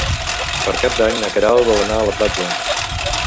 Per Cap d'Any na Queralt vol anar a la platja.